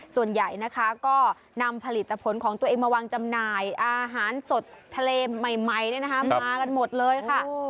ส่วนใหญ่นะคะก็นำผลิตผลของตัวเองมาวางจำหน่ายอาหารสดทะเลใหม่มากันหมดเลยค่ะ